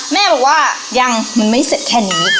แม่บอกว่ายังมันไม่เสร็จแค่นี้